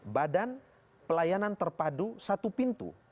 badan pelayanan terpadu satu pintu